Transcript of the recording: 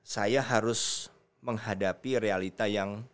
saya harus menghadapi realita yang